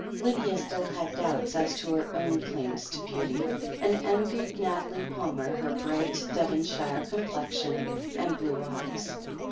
Lydia still had doubts as to her own claims to beauty, and envied Nathalie Palmer her bright, Devonshire complexion and blue eyes.